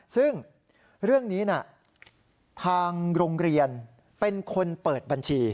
ซึ่งเรื่องนี้ทางโรงเรียนเป็นคนเปิดบัญชี